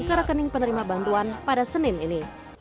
ke rekening penerima bantuan pada senin ini